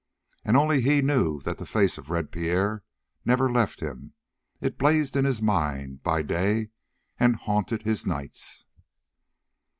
And only he knew that the face of Red Pierre never left him; it blazed in his mind by day and haunted his nights.